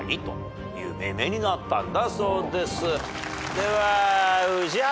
では宇治原。